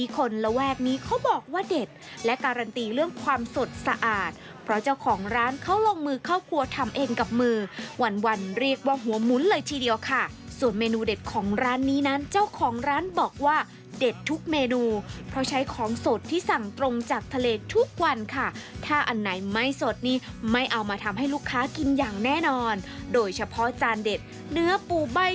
คนระแวกนี้เขาบอกว่าเด็ดและการันตีเรื่องความสดสะอาดเพราะเจ้าของร้านเขาลงมือเข้าครัวทำเองกับมือวันวันเรียกว่าหัวหมุนเลยทีเดียวค่ะส่วนเมนูเด็ดของร้านนี้นั้นเจ้าของร้านบอกว่าเด็ดทุกเมนูเพราะใช้ของสดที่สั่งตรงจากทะเลทุกวันค่ะถ้าอันไหนไม่สดนี่ไม่เอามาทำให้ลูกค้ากินอย่างแน่นอนโดยเฉพาะจานเด็ดเนื้อปูใบ้